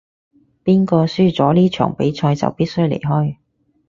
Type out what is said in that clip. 邊個輸咗呢場比賽就必須離開